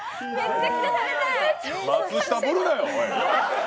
松下ぶるなよ。